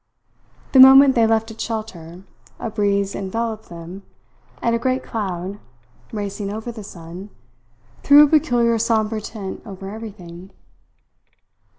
The moment they left its shelter, a breeze enveloped them, and a great cloud, racing over the sun, threw a peculiar sombre tint over everything.